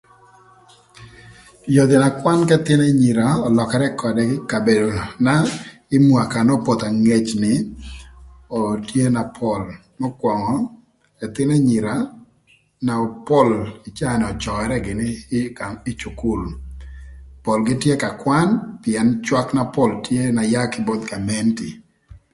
Yodhi akwan k'ëthïnö anyira ölökërë këdë ï kabedona ï mwaka n'opoth angec ni oo tye na pol Mökwöngö ëthïn anyira na pol ï caa ni öcörë gïnï ï gang cukul polgï tye ka kwan pïën cwak tye na pol n'ayaa kï both gamenti